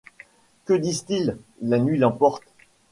Que disent-ils ? la nuit l’emporte.